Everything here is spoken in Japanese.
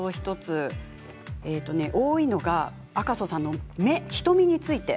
多いのは、赤楚さんの瞳について。